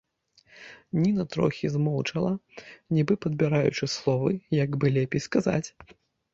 Ніна трохі змоўчала, нібы падбіраючы словы, як бы лепей сказаць.